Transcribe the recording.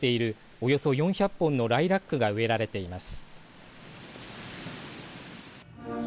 およそ４００本のライラックが植えられています。